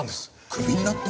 クビになった？